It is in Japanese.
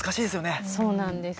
そうなんですよ。